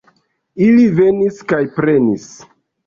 Ili venis kaj prenis!